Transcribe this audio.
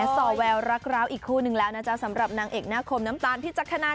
ส่อแววรักร้าวอีกคู่นึงแล้วสำหรับนางเอกนะโคมน้ำตาลพิจกรราคา